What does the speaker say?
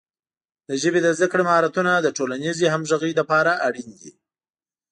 د ژبې د زده کړې مهارتونه د ټولنیزې همغږۍ لپاره اړین دي.